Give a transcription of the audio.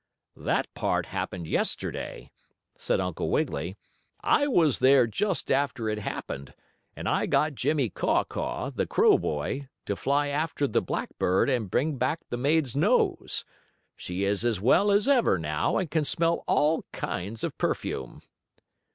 "That part happened yesterday," said Uncle Wiggily. "I was there just after it happened, and I got Jimmie Caw Caw, the crow boy, to fly after the blackbird and bring back the maid's nose. She is as well as ever now and can smell all kinds of perfume."